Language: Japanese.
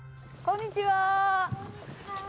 こんにちは。